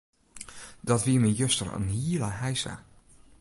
Dat wie my juster in hiele heisa.